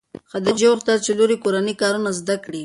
خدیجې غوښتل چې لور یې کورني کارونه زده کړي.